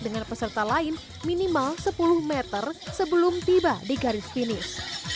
dengan peserta lain minimal sepuluh meter sebelum tiba di garis finish